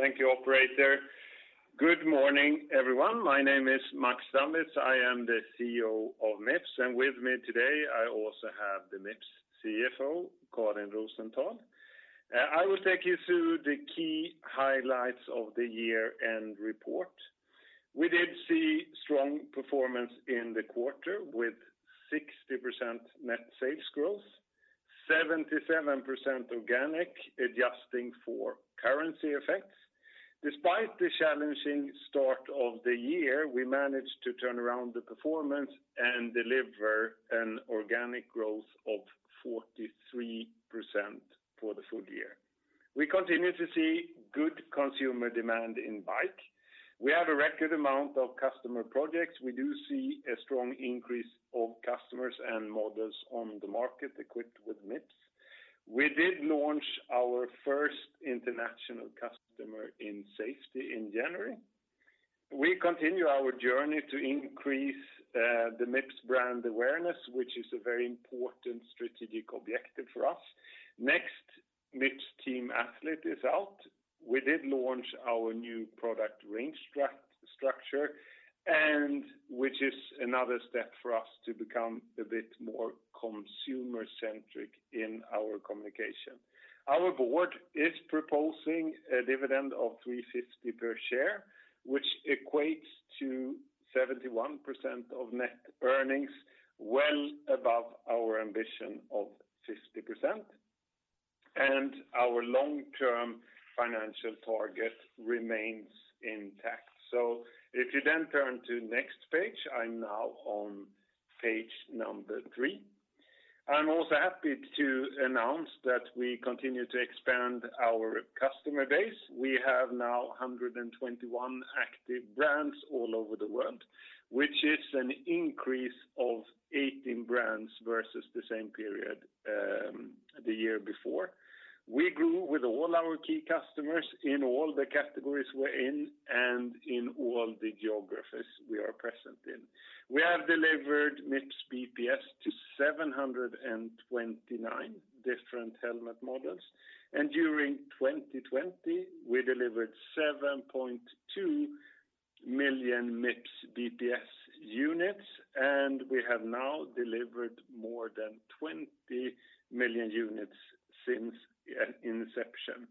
Thank you operator. Good morning, everyone. My name is Max Strandwitz. I am the CEO of Mips, and with me today I also have the Mips CFO, Karin Rosenthal. I will take you through the key highlights of the year-end report. We did see strong performance in the quarter with 60% net sales growth, 77% organic, adjusting for currency effects. Despite the challenging start of the year, we managed to turn around the performance and deliver an organic growth of 43% for the full year. We continue to see good consumer demand in bike. We have a record amount of customer projects. We do see a strong increase of customers and models on the market equipped with Mips. We did launch our first international customer in safety in January. We continue our journey to increase the Mips brand awareness, which is a very important strategic objective for us. Next Mips team athlete is out. We did launch our new product range structure, which is another step for us to become a bit more consumer-centric in our communication. Our board is proposing a dividend of 350 per share, which equates to 71% of net earnings, well above our ambition of 50%. Our long-term financial target remains intact. If you then turn to next page, I'm now on page number three. I'm also happy to announce that we continue to expand our customer base. We have now 121 active brands all over the world, which is an increase of 18 brands versus the same period the year before. We grew with all our key customers in all the categories we're in and in all the geographies we are present in. We have delivered Mips BPS to 729 different helmet models. During 2020, we delivered 7.2 million Mips BPS units. We have now delivered more than 20 million units since inception.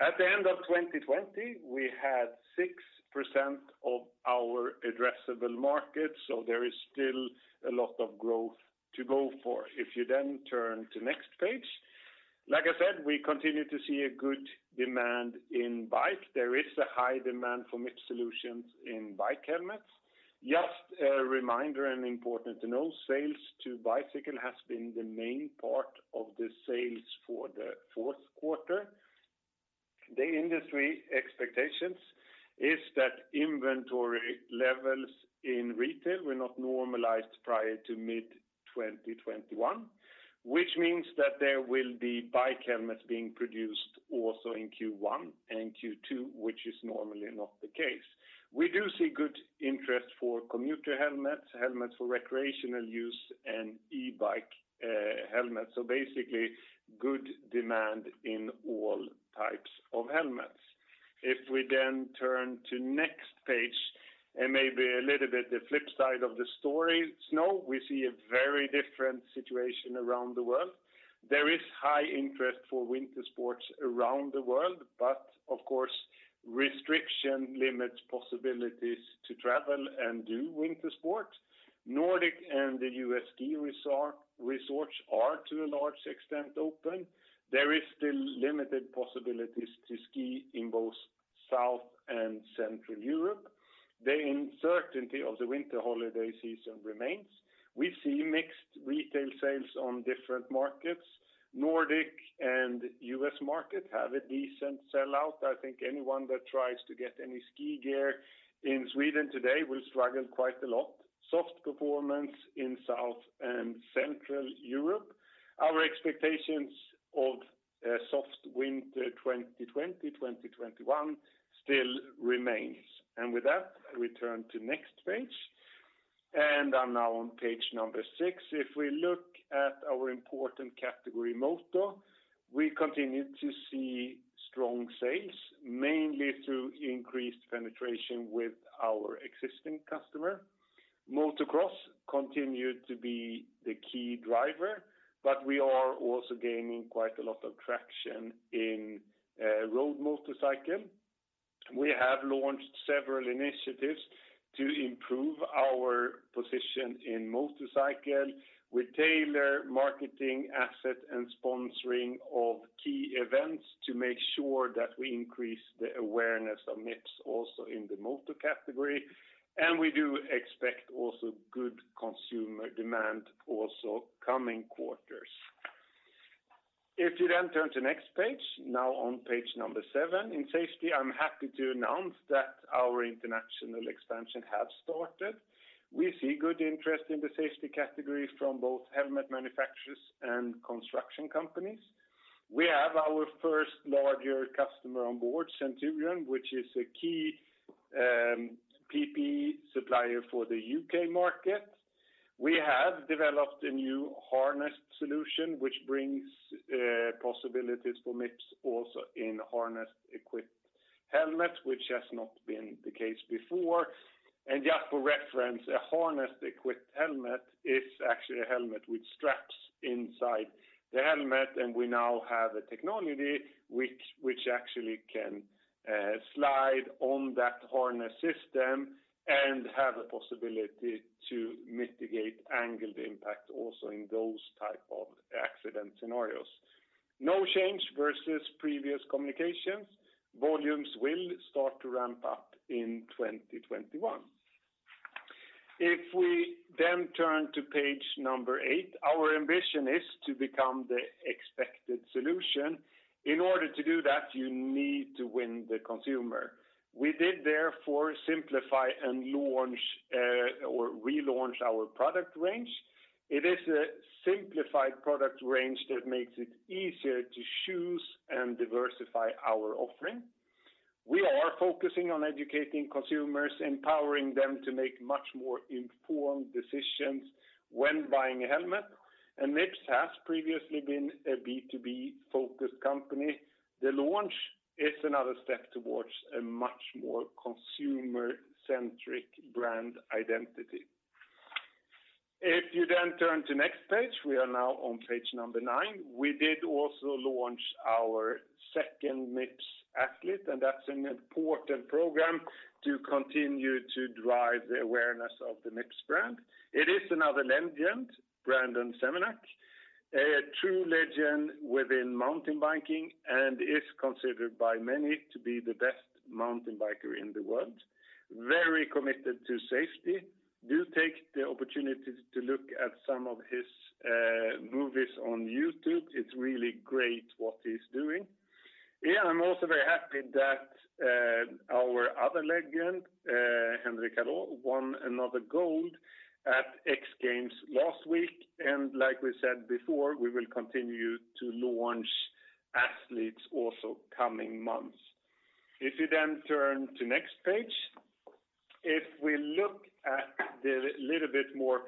At the end of 2020, we had 6% of our addressable market. There is still a lot of growth to go for. If you turn to next page. Like I said, we continue to see a good demand in bike. There is a high demand for Mips solutions in bike helmets. Just a reminder and important to know, sales to bicycle has been the main part of the sales for the fourth quarter. The industry expectations is that inventory levels in retail were not normalized prior to mid-2021, which means that there will be bike helmets being produced also in Q1 and Q2, which is normally not the case. We do see good interest for commuter helmets for recreational use, and e-bike helmets. Basically, good demand in all types of helmets. If we then turn to next page, and maybe a little bit the flip side of the story. Snow, we see a very different situation around the world. There is high interest for winter sports around the world, but of course, restriction limits possibilities to travel and do winter sports. Nordic and the U.S. ski resorts are, to a large extent, open. There is still limited possibilities to ski in both South and Central Europe. The uncertainty of the winter holiday season remains. We see mixed retail sales on different markets. Nordic and U.S. market have a decent sell-out. I think anyone that tries to get any ski gear in Sweden today will struggle quite a lot. Soft performance in South and Central Europe. Our expectations of a soft winter 2020-2021 still remains. With that, we turn to next page. I'm now on page number six. If we look at our important category, Moto, we continue to see strong sales, mainly through increased penetration with our existing customer. Motocross continued to be the key driver, but we are also gaining quite a lot of traction in road motorcycle. We have launched several initiatives to improve our position in motorcycle. We tailor marketing asset and sponsoring of key events to make sure that we increase the awareness of Mips also in the Moto category. We do expect also good consumer demand also coming quarters. If you turn to next page, now on page number seven. In safety, I'm happy to announce that our international expansion has started. We see good interest in the safety category from both helmet manufacturers and construction companies. We have our first larger customer on board, Centurion, which is a key PPE supplier for the U.K. market. We have developed a new harness solution which brings possibilities for Mips also in harness-equipped helmets, which has not been the case before. Just for reference, a harness-equipped helmet is actually a helmet with straps inside the helmet. We now have a technology which actually can slide on that harness system and have the possibility to mitigate angled impact also in those type of accident scenarios. No change versus previous communications. Volumes will start to ramp up in 2021. If we then turn to page number eight, our ambition is to become the expected solution. In order to do that, you need to win the consumer. We did therefore simplify and launch or relaunch our product range. It is a simplified product range that makes it easier to choose and diversify our offering. We are focusing on educating consumers, empowering them to make much more informed decisions when buying a helmet. Mips has previously been a B2B-focused company. The launch is another step towards a much more consumer-centric brand identity. If you then turn to next page, we are now on page number nine. We did also launch our second Mips athlete, and that's an important program to continue to drive the awareness of the Mips brand. It is another legend, Brandon Semenuk, a true legend within mountain biking and is considered by many to be the best mountain biker in the world. Very committed to safety. Do take the opportunity to look at some of his movies on YouTube, it's really great what he's doing. I'm also very happy that our other legend, Henrik Harlaut, won another gold at X Games last week. Like we said before, we will continue to launch athletes also coming months. If you turn to next page. If we look at the little bit more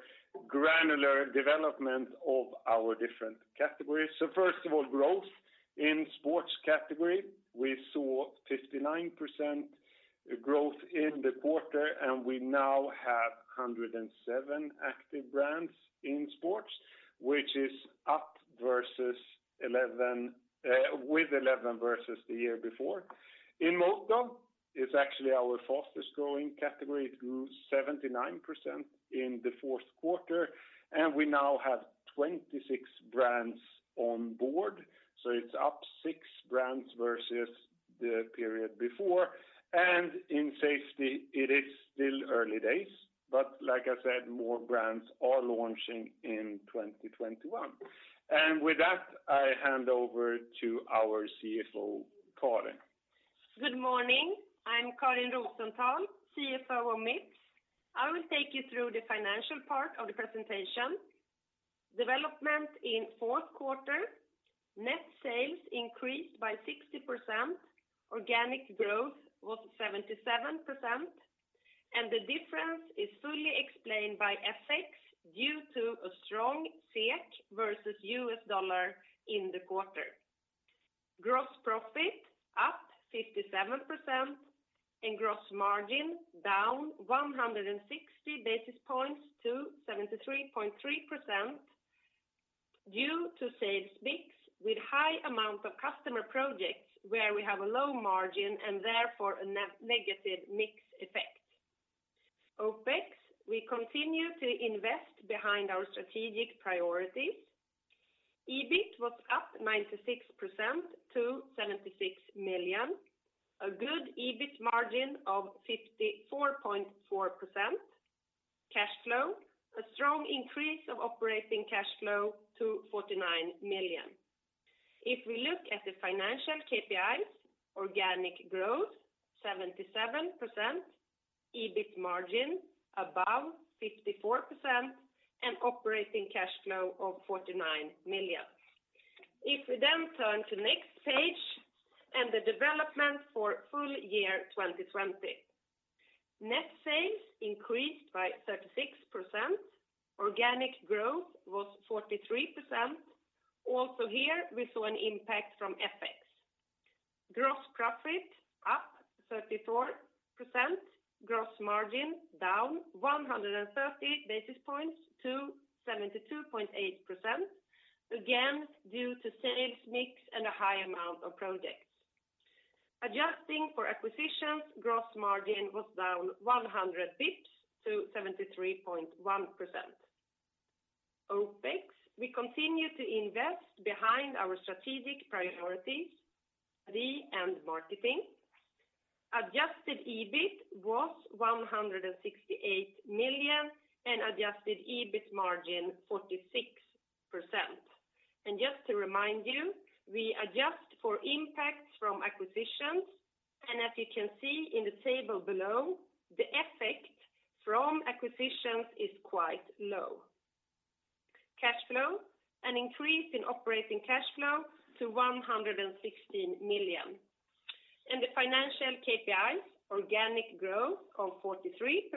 granular development of our different categories. First of all, growth in sports category. We saw 59% growth in the quarter, and we now have 107 active brands in sports, which is up with 11 versus the year before. In Moto, it's actually our fastest growing category. It grew 79% in the fourth quarter, and we now have 26 brands on board, so it's up six brands versus the period before. In safety, it is still early days, but like I said, more brands are launching in 2021. With that, I hand over to our CFO, Karin. Good morning. I'm Karin Rosenthal, CFO of Mips. I will take you through the financial part of the presentation. Development in fourth quarter, net sales increased by 60%. Organic growth was 77%, and the difference is fully explained by FX due to a strong SEK versus US dollar in the quarter. Gross profit up 57%, and gross margin down 160 basis points to 73.3% due to sales mix with high amount of customer projects where we have a low margin and therefore a negative mix effect. OPEX, we continue to invest behind our strategic priorities. EBIT was up 96% to 76 million. A good EBIT margin of 54.4%. Cash flow, a strong increase of operating cash flow to 49 million. If we look at the financial KPIs, organic growth 77%, EBIT margin above 54%, and operating cash flow of 49 million. We then turn to next page and the development for full year 2020. Net sales increased by 36%. Organic growth was 43%. Also here we saw an impact from FX. Gross profit up 34%. Gross margin down 130 basis points to 72.8%, again due to sales mix and a high amount of projects. Adjusting for acquisitions, gross margin was down 100 basis points to 73.1%. OPEX, we continue to invest behind our strategic priorities, R&D and marketing. Adjusted EBIT was 168 million and adjusted EBIT margin 46%. Just to remind you, we adjust for impacts from acquisitions. As you can see in the table below, the effect from acquisitions is quite low. Cash flow. An increase in operating cash flow to 116 million. The financial KPIs, organic growth of 43%,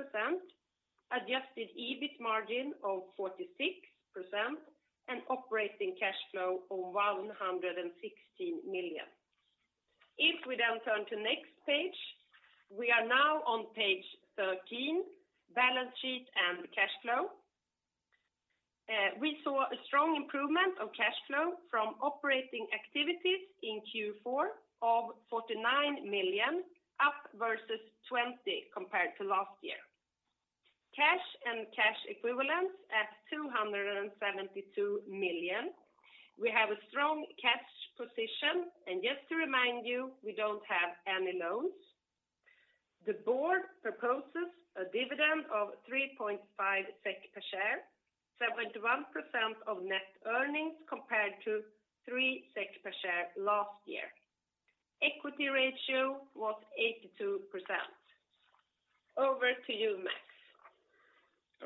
adjusted EBIT margin of 46%, and operating cash flow of 116 million. If we turn to next page, we are now on page 13, balance sheet and cash flow. We saw a strong improvement of cash flow from operating activities in Q4 of 49 million, up versus 20 million compared to last year. Cash and cash equivalents at 272 million. We have a strong cash position, and just to remind you, we don't have any loans. The board proposes a dividend of 3.5 SEK per share, 71% of net earnings compared to 3 SEK per share last year. Equity ratio was 82%. Over to you, Max.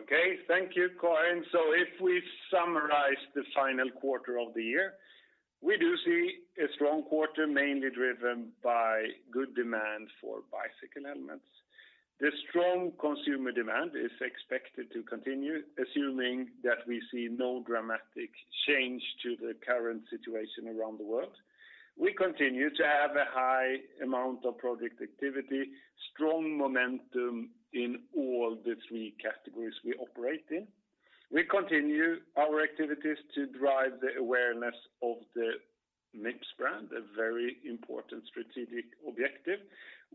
Okay. Thank you, Karin. If we summarize the final quarter of the year, we do see a strong quarter, mainly driven by good demand for bicycle helmets. The strong consumer demand is expected to continue, assuming that we see no dramatic change to the current situation around the world. We continue to have a high amount of project activity, strong momentum in all the three categories we operate in. We continue our activities to drive the awareness of the Mips brand, a very important strategic objective.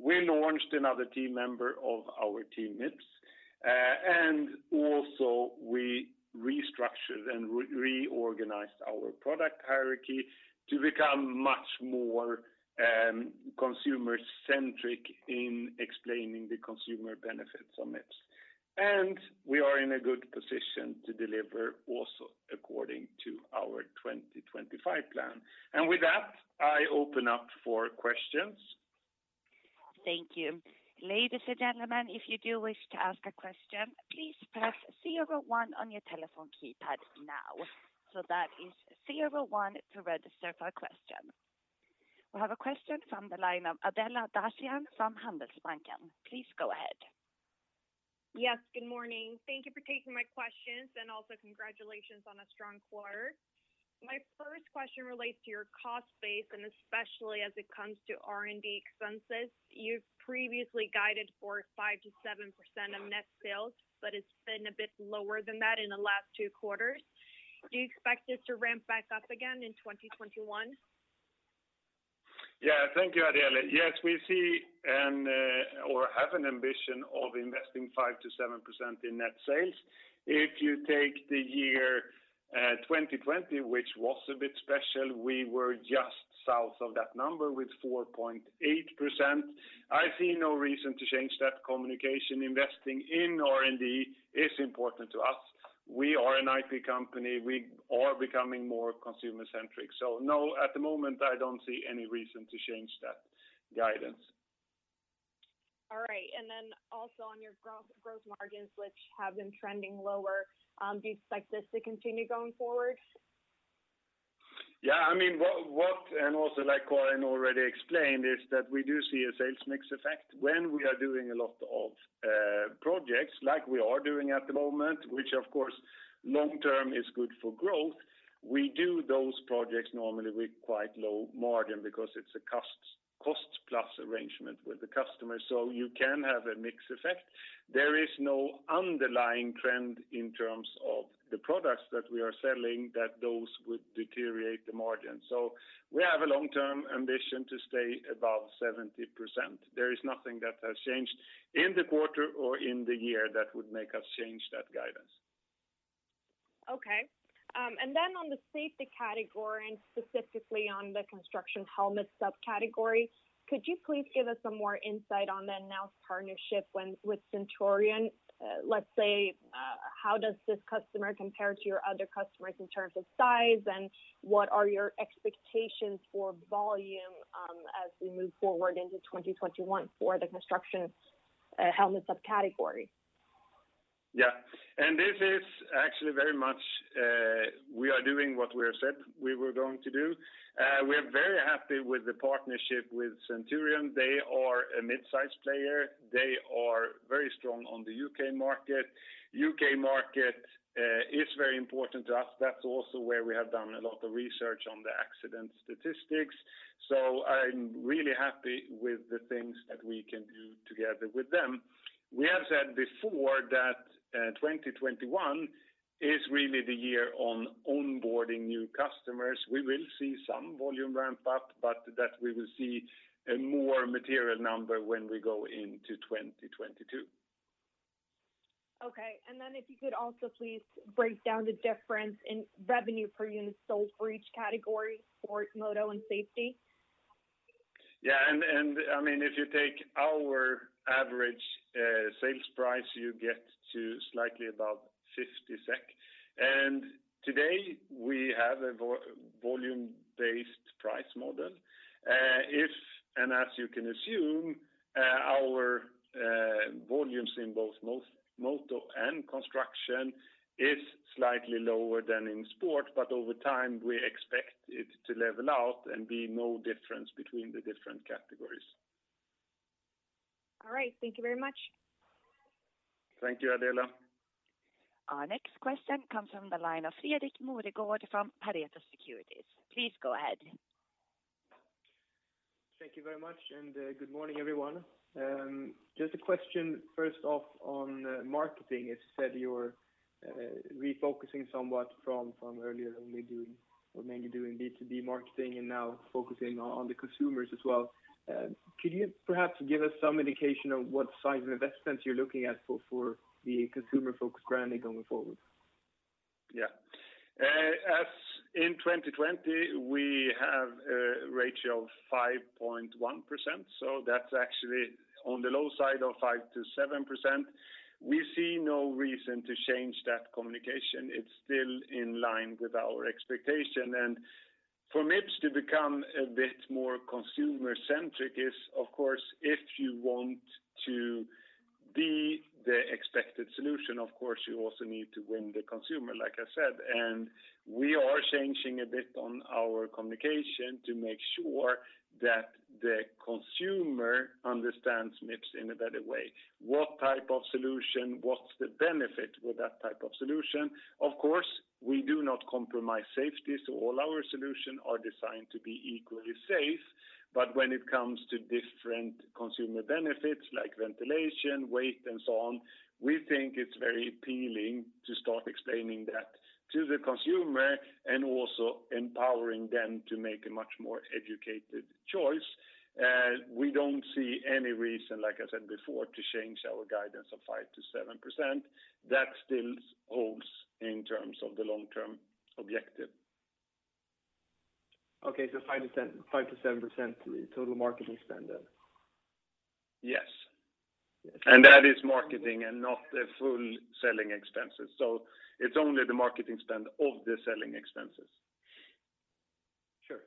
We launched another team member of our team, Mips. Also we restructured and reorganized our product hierarchy to become much more consumer-centric in explaining the consumer benefits of Mips. We are in a good position to deliver also according to our 2025 plan. With that, I open up for questions. Thank you. Ladies and gentlemen, if you do wish to ask a question, please press zero one on your telephone keypad now. That is zero one to register for a question. We have a question from the line of Adela Dashian from Handelsbanken. Please go ahead. Yes, good morning. Thank you for taking my questions, also congratulations on a strong quarter. My first question relates to your cost base, especially as it comes to R&D expenses. You've previously guided for 5%-7% of net sales, it's been a bit lower than that in the last two quarters. Do you expect this to ramp back up again in 2021? Yeah. Thank you, Adela. Yes, we see or have an ambition of investing 5%-7% in net sales. If you take the year 2020, which was a bit special, we were just south of that number with 4.8%. I see no reason to change that communication. Investing in R&D is important to us. We are an IP company. We are becoming more consumer-centric. No, at the moment, I don't see any reason to change that guidance. All right. Also on your gross margins, which have been trending lower, do you expect this to continue going forward? Yeah, also like Karin already explained, is that we do see a sales mix effect when we are doing a lot of projects like we are doing at the moment, which of course long term is good for growth. We do those projects normally with quite low margin because it's a cost-plus arrangement with the customer. You can have a mix effect. There is no underlying trend in terms of the products that we are selling that those would deteriorate the margin. We have a long-term ambition to stay above 70%. There is nothing that has changed in the quarter or in the year that would make us change that guidance. On the safety category, and specifically on the construction helmet subcategory, could you please give us some more insight on the announced partnership with Centurion? How does this customer compare to your other customers in terms of size, and what are your expectations for volume as we move forward into 2021 for the construction helmet subcategory? This is actually very much we are doing what we have said we were going to do. We are very happy with the partnership with Centurion. They are a mid-size player. They are very strong on the U.K. market. U.K. market is very important to us. That's also where we have done a lot of research on the accident statistics. I'm really happy with the things that we can do together with them. We have said before that 2021 is really the year on onboarding new customers. We will see some volume ramp up, but that we will see a more material number when we go into 2022. Okay. If you could also please break down the difference in revenue per unit sold for each category, sport, Moto, and safety? Yeah. If you take our average sales price, you get to slightly above 50 SEK. Today, we have a volume-based price model. If and as you can assume, our volumes in both Moto and construction is slightly lower than in sport, but over time, we expect it to level out and be no difference between the different categories. All right. Thank you very much. Thank you, Adela. Our next question comes from the line of Fredrik Moregård from Pareto Securities. Please go ahead. Thank you very much, and good morning, everyone. Just a question first off on marketing. You said you're refocusing somewhat from earlier only doing or mainly doing B2B marketing and now focusing on the consumers as well. Could you perhaps give us some indication of what size of investments you're looking at for the consumer-focused branding going forward? Yeah. As in 2020, we have a ratio of 5.1%, so that's actually on the low side of 5%-7%. We see no reason to change that communication. It's still in line with our expectation. For Mips to become a bit more consumer-centric is, of course, if you want to be the expected solution, of course, you also need to win the consumer, like I said. We are changing a bit on our communication to make sure that the consumer understands Mips in a better way. What type of solution, what's the benefit with that type of solution? Of course, we do not compromise safety, so all our solutions are designed to be equally safe. When it comes to different consumer benefits like ventilation, weight, and so on, we think it's very appealing to start explaining that to the consumer and also empowering them to make a much more educated choice. We don't see any reason, like I said before, to change our guidance of 5%-7%. That still holds in terms of the long-term objective. Okay. 5%-7% is total marketing spend then? Yes. That is marketing and not the full selling expenses. It's only the marketing spend of the selling expenses. Sure.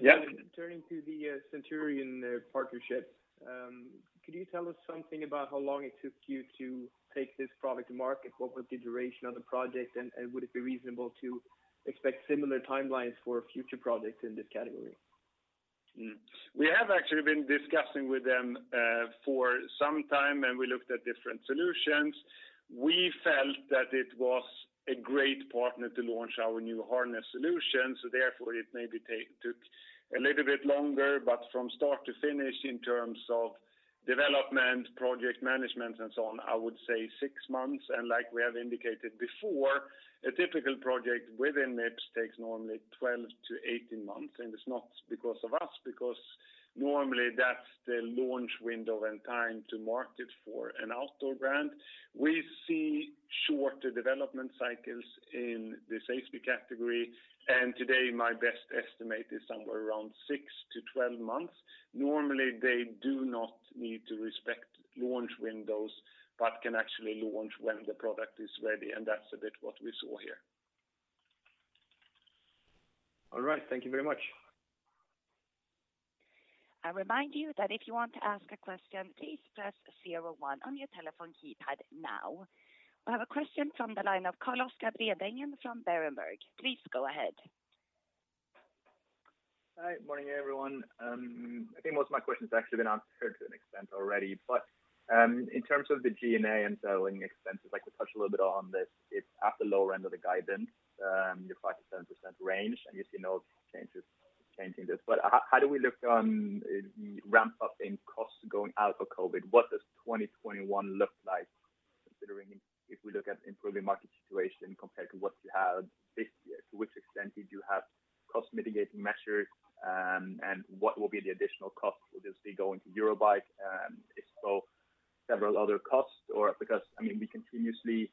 Yeah. Turning to the Centurion partnership, could you tell us something about how long it took you to take this product to market? What was the duration of the project, and would it be reasonable to expect similar timelines for future products in this category? We have actually been discussing with them for some time, and we looked at different solutions. We felt that it was a great partner to launch our new harness solution, so therefore it maybe took a little bit longer. From start to finish in terms of development, project management, and so on, I would say six months. Like we have indicated before, a typical project within Mips takes normally 12-18 months, and it's not because of us, because normally that's the launch window and time to market for an outdoor brand. We see shorter development cycles in the safety category, and today my best estimate is somewhere around 6-12 months. Normally, they do not need to respect launch windows but can actually launch when the product is ready, and that's a bit what we saw here. All right. Thank you very much. I remind you that if you want to ask a question, please press zero one on your telephone keypad now. I have a question from the line of Carlos Capiadamian from Berenberg. Please go ahead. Hi. Morning, everyone. I think most of my question's actually been answered to an extent already, but in terms of the G&A and selling expenses, I could touch a little bit on this. It's at the lower end of the guidance, your 5%-7% range, and you see no changes changing this. How do we look on ramp-up in costs going out for COVID? What does 2021 look like considering if we look at improving market situation compared to what you had this year? To which extent did you have cost-mitigating measures? What will be the additional cost? Will this be going to Eurobike, if so, several other costs? We continuously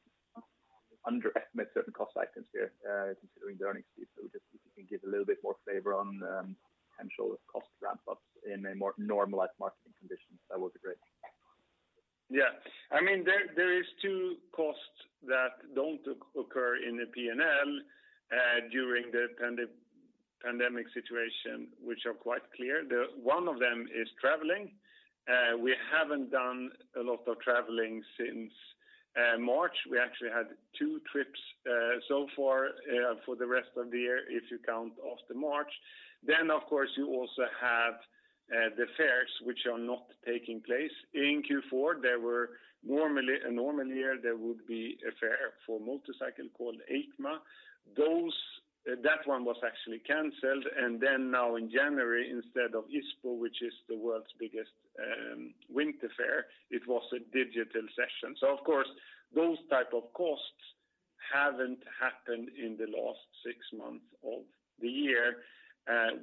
underestimate certain cost items here considering the earnings. Just if you can give a little bit more flavor on potential of cost ramp-ups in a more normalized marketing condition, that would be great. Yeah. There are two costs that don't occur in the P&L during the pandemic situation, which are quite clear. One of them is traveling. We haven't done a lot of traveling since March. We actually had two trips so far for the rest of the year if you count after March. Of course, you also have the fairs, which are not taking place. In Q4, a normal year, there would be a fair for motorcycle called EICMA. That one was actually canceled. Now in January, instead of ISPO, which is the world's biggest winter fair, it was a digital session. Of course, those type of costs haven't happened in the last six months of the year.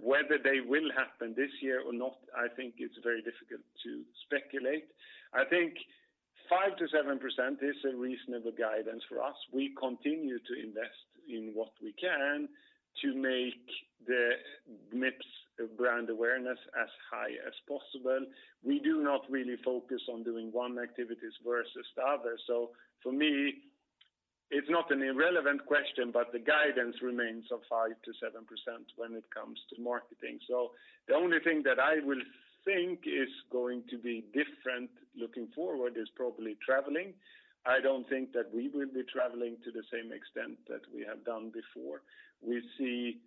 Whether they will happen this year or not, I think it's very difficult to speculate. I think 5%-7% is a reasonable guidance for us. We continue to invest in what we can to make Mips brand awareness as high as possible. We do not really focus on doing one activity versus the other. For me, it's not an irrelevant question, but the guidance remains of 5%-7% when it comes to marketing. The only thing that I will think is going to be different looking forward is probably traveling. I don't think that we will be traveling to the same extent that we have done before. We see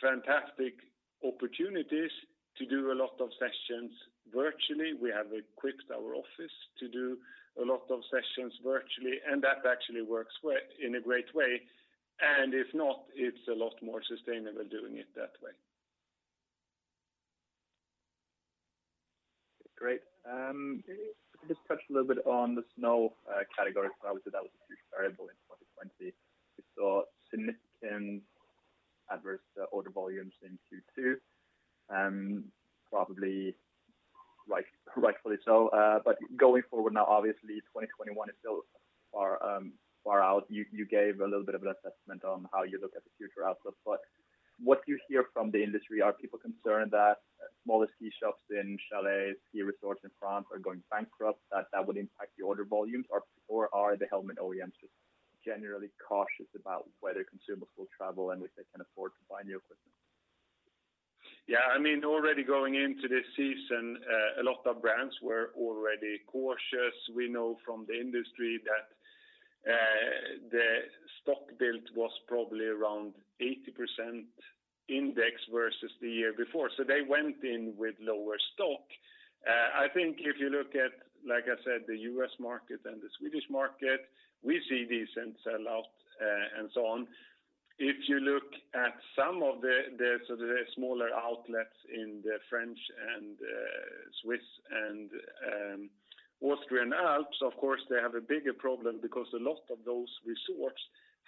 fantastic opportunities to do a lot of sessions virtually. We have equipped our office to do a lot of sessions virtually, and that actually works in a great way. If not, it's a lot more sustainable doing it that way. Great. Could we just touch a little bit on the snow category? Obviously, that was a huge variable in 2020. We saw significant adverse order volumes in Q2, probably rightfully so. Going forward now, obviously 2021 is still far out. You gave a little bit of an assessment on how you look at the future outlook, but what do you hear from the industry? Are people concerned that smaller ski shops in chalets, ski resorts in France are going bankrupt, that that would impact the order volumes? Are the helmet OEMs just generally cautious about whether consumers will travel and if they can afford to buy new equipment? Yeah. Already going into this season, a lot of brands were already cautious. We know from the industry that the stock build was probably around 80% index versus the year before. They went in with lower stock. I think if you look at, like I said, the U.S. market and the Swedish market, we see decent sell-out and so on. If you look at some of the smaller outlets in the French and Swiss and Austrian Alps, of course, they have a bigger problem because a lot of those resorts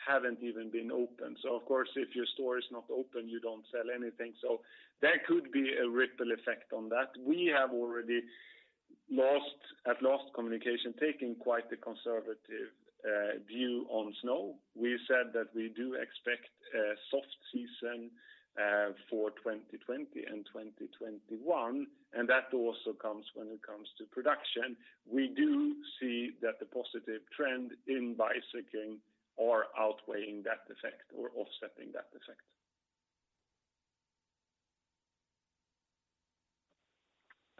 haven't even been open. Of course, if your store is not open, you don't sell anything. There could be a ripple effect on that. We have already, at last communication, taken quite the conservative view on snow. We've said that we do expect a soft season for 2020 and 2021, and that also comes when it comes to production. We do see that the positive trend in bicycling are outweighing that effect or offsetting that effect.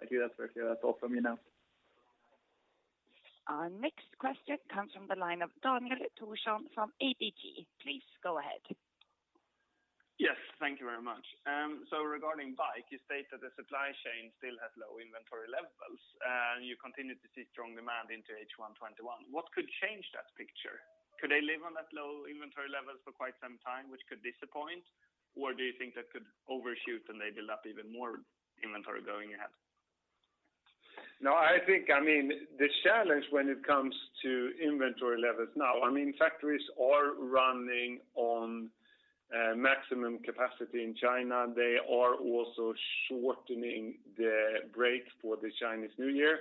Thank you, that's all from me now. Our next question comes from the line of Daniel Thorsson from ABG. Please go ahead. Thank you very much. Regarding Bike, you state that the supply chain still has low inventory levels, and you continue to see strong demand into H1 2021. What could change that picture? Could they live on that low inventory level for quite some time, which could disappoint? Do you think that could overshoot and they build up even more inventory going ahead? No, the challenge when it comes to inventory levels now, factories are running on maximum capacity in China. They are also shortening the break for the Chinese New Year.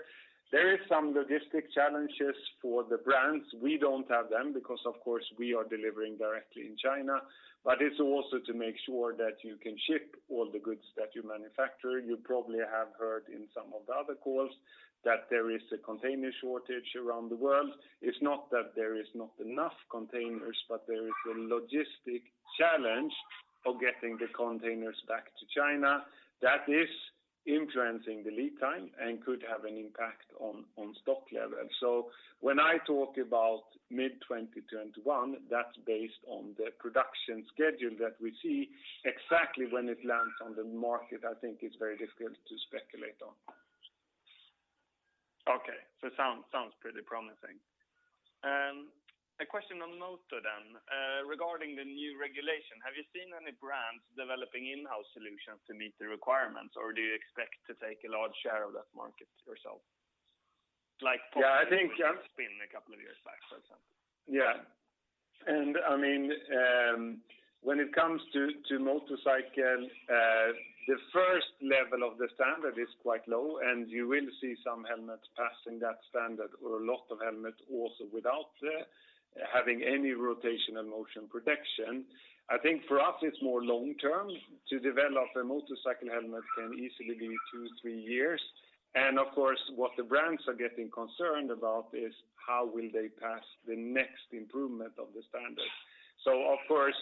There is some logistic challenges for the brands. We don't have them because, of course, we are delivering directly in China, but it's also to make sure that you can ship all the goods that you manufacture. You probably have heard in some of the other calls that there is a container shortage around the world. It's not that there is not enough containers, but there is a logistic challenge of getting the containers back to China that is influencing the lead time and could have an impact on stock levels. When I talk about mid-2021, that's based on the production schedule that we see. Exactly when it lands on the market, I think it's very difficult to speculate on. Okay. Sounds pretty promising. A question on Moto. Regarding the new regulation, have you seen any brands developing in-house solutions to meet the requirements, or do you expect to take a large share of that market yourself? Yeah. a couple of years back, for example. Yeah. When it comes to motorcycle, the first level of the standard is quite low, and you will see some helmets passing that standard or a lot of helmets also without having any rotational motion protection. I think for us it's more long-term. To develop a motorcycle helmet can easily be two, three years. Of course, what the brands are getting concerned about is how will they pass the next improvement of the standard. Of course,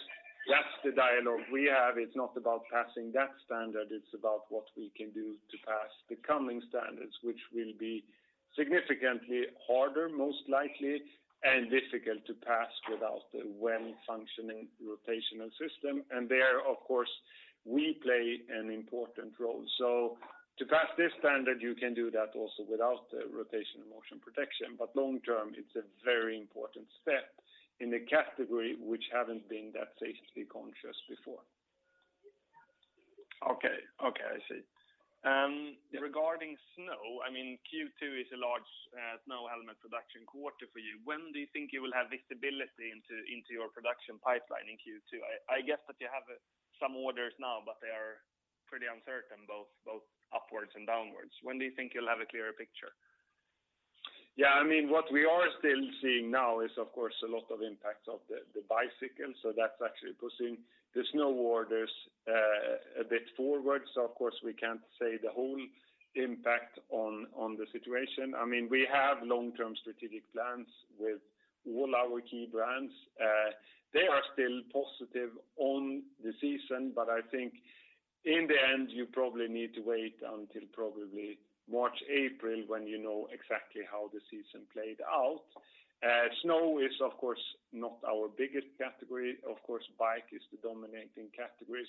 that's the dialogue we have. It's not about passing that standard, it's about what we can do to pass the coming standards, which will be significantly harder, most likely, and difficult to pass without a well-functioning rotational system. There, of course, we play an important role. To pass this standard, you can do that also without the rotational motion protection. Long-term, it's a very important step in a category which haven't been that safety conscious before. Okay. I see. Yeah. Regarding snow, Q2 is a large snow helmet production quarter for you. When do you think you will have visibility into your production pipeline in Q2? I guess that you have some orders now, but they are pretty uncertain both upwards and downwards. When do you think you'll have a clearer picture? Yeah. What we are still seeing now is, of course, a lot of impacts of the bicycle. That's actually pushing the snow orders a bit forward. Of course, we can't say the whole impact on the situation. We have long-term strategic plans with all our key brands. They are still positive on the season, but I think in the end, you probably need to wait until probably March, April, when you know exactly how the season played out. Snow is, of course, not our biggest category. Of course, bike is the dominating category.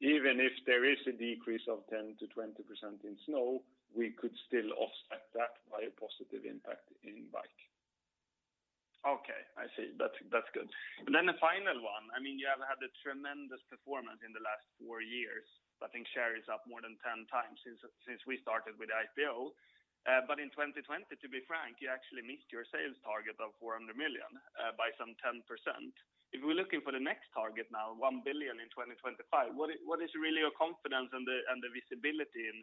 Even if there is a decrease of 10%-20% in snow, we could still offset that by a positive impact in bike. Okay. I see. That's good. The final one. You have had a tremendous performance in the last four years. I think share is up more than 10x since we started with IPO. In 2020, to be frank, you actually missed your sales target of 400 million by some 10%. If we're looking for the next target now, 1 billion in 2025, what is really your confidence and the visibility in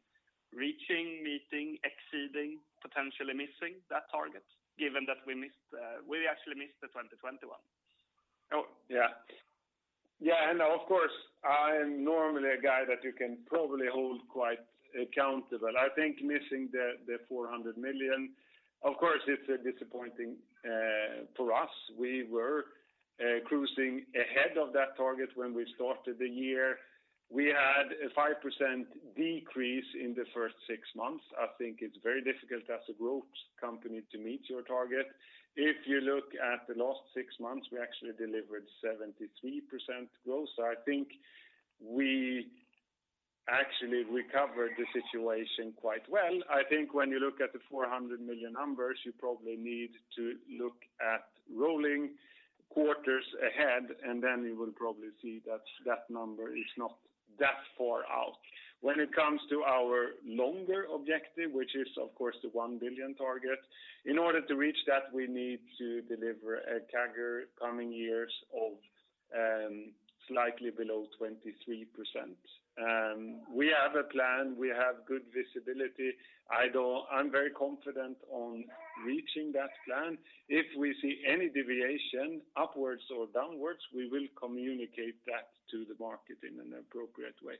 reaching, meeting, exceeding, potentially missing that target, given that we actually missed the 2021? Of course, I am normally a guy that you can probably hold quite accountable. I think missing the 400 million, of course, it's disappointing for us. We were cruising ahead of that target when we started the year. We had a 5% decrease in the first six months. I think it's very difficult as a growth company to meet your target. If you look at the last six months, we actually delivered 73% growth. I think we actually recovered the situation quite well. I think when you look at the 400 million numbers, you probably need to look at rolling quarters ahead, you will probably see that that number is not that far out. When it comes to our longer objective, which is, of course, the 1 billion target. In order to reach that, we need to deliver a CAGR coming years of slightly below 23%. We have a plan. We have good visibility. I'm very confident on reaching that plan. If we see any deviation upwards or downwards, we will communicate that to the market in an appropriate way.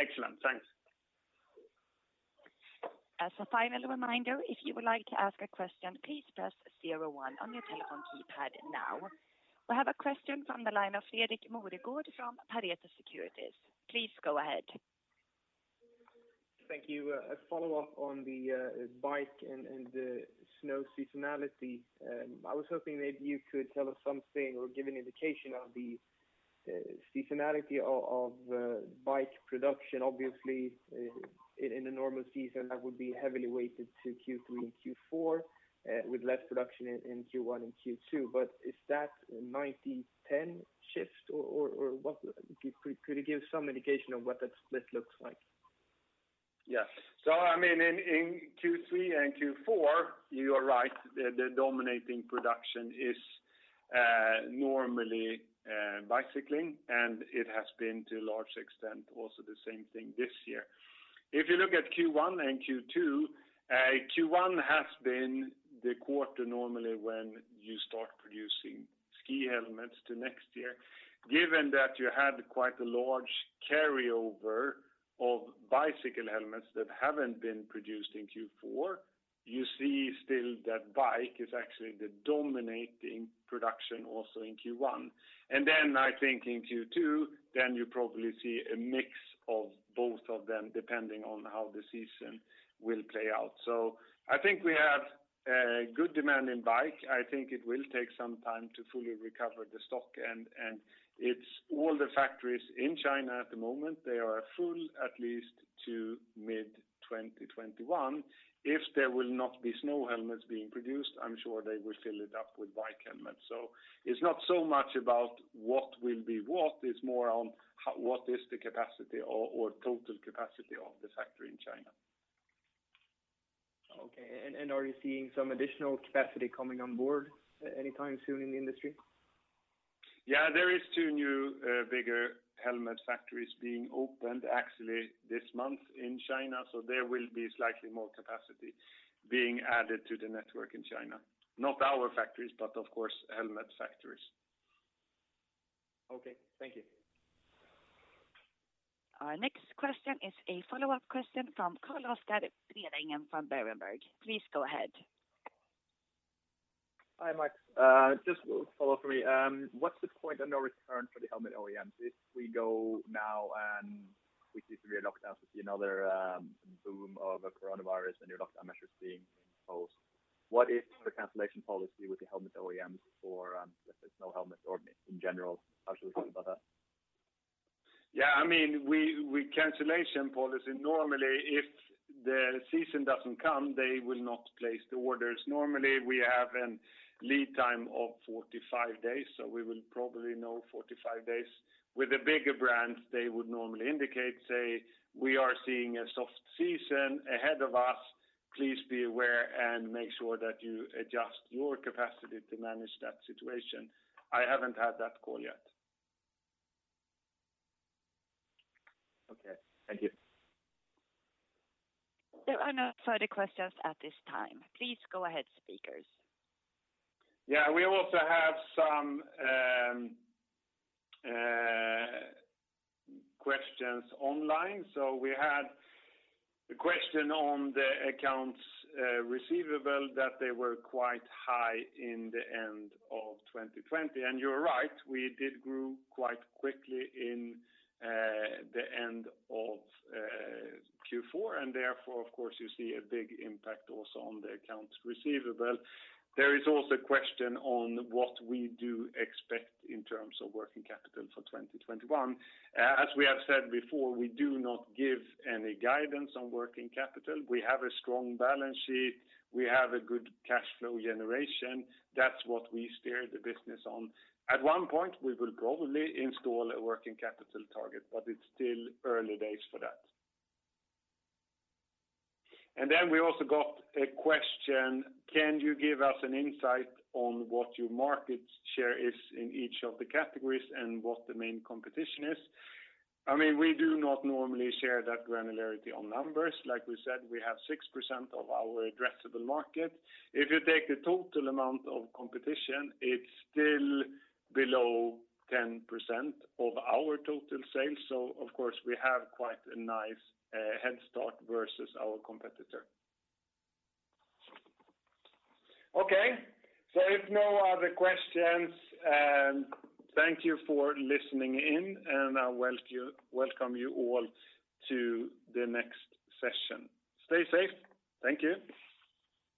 Excellent. Thanks. As a final reminder, if you would like to ask a question, please press zero one on your telephone keypad now. We have a question from the line of Fredrik Moregård from Pareto Securities. Please go ahead. Thank you. A follow-up on the bike and the snow seasonality. I was hoping maybe you could tell us something or give an indication of the seasonality of bike production. Obviously, in a normal season, that would be heavily weighted to Q3 and Q4, with less production in Q1 and Q2. Is that 90-10 shift, or could you give some indication of what that split looks like? Yes. In Q3 and Q4, you are right. The dominating production is normally bicycling, and it has been to a large extent also the same thing this year. If you look at Q1 and Q2, Q1 has been the quarter normally when you start producing ski helmets to next year. Given that you had quite a large carryover of bicycle helmets that haven't been produced in Q4, you see still that bike is actually the dominating production also in Q1. I think in Q2, then you probably see a mix of both of them, depending on how the season will play out. I think we have a good demand in bike. I think it will take some time to fully recover the stock. It's all the factories in China at the moment. They are full at least to mid-2021. If there will not be snow helmets being produced, I'm sure they will fill it up with bike helmets. It's not so much about what will be what, it's more on what is the capacity or total capacity of the factory in China. Okay. Are you seeing some additional capacity coming on board anytime soon in the industry? Yeah, there is two new bigger helmet factories being opened actually this month in China. There will be slightly more capacity being added to the network in China. Not our factories, but of course, helmet factories. Okay. Thank you. Our next question is a follow-up question from Carlos Capiadamian from Berenberg. Please go ahead. Hi, Max. Just a follow-up for me. What's the point of no return for the helmet OEMs if we go now and we see severe lockdowns, we see another boom of a coronavirus and your lockdown measures being imposed? What is the cancellation policy with the helmet OEMs for if there's no helmet or in general? How should we think about that? Yeah. Cancellation policy, normally, if the season doesn't come, they will not place the orders. Normally, we have a lead time of 45 days, so we will probably know 45 days. With the bigger brands, they would normally indicate, say, "We are seeing a soft season ahead of us. Please be aware and make sure that you adjust your capacity to manage that situation." I haven't had that call yet. Okay, thank you. There are no further questions at this time. Please go ahead, speakers. Yeah. We also have some questions online. We had a question on the accounts receivable that they were quite high in the end of 2020, and you're right, we did grow quite quickly in the end of Q4, and therefore, of course, you see a big impact also on the accounts receivable. There is also a question on what we do expect in terms of working capital for 2021. As we have said before, we do not give any guidance on working capital. We have a strong balance sheet. We have a good cash flow generation. That's what we steer the business on. At one point, we will probably install a working capital target, but it's still early days for that. We also got a question. Can you give us an insight on what your market share is in each of the categories and what the main competition is? We do not normally share that granularity on numbers. Like we said, we have 6% of our addressable market. If you take the total amount of competition, it's still below 10% of our total sales. Of course, we have quite a nice headstart versus our competitor. If no other questions, thank you for listening in, and I welcome you all to the next session. Stay safe. Thank you.